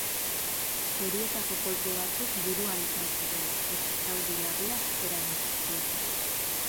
Horietako kolpe batzuk buruan izan ziren eta zauri larriak eragin zizkioten.